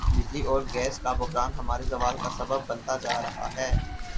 بجلی اور گیس کا بحران ہمارے زوال کا سبب بنتا جا رہا ہے